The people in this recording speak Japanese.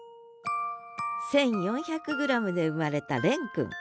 １，４００ｇで生まれた蓮くん。